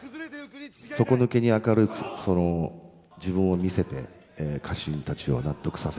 底抜けに明るく自分を見せて家臣たちを納得させていく。